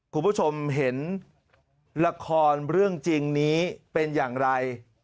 คุณผู้ชมเห็นละครเรื่องจริงนี้เป็นอย่างไร